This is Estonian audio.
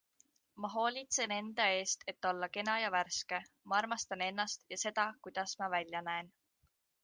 Ma hoolitsen enda eest, et olla kena ja värske - ma armastan ennast ja seda, kuidas ma välja näen.